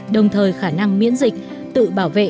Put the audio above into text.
đồng thời khả năng miễn dịch tự bảo vệ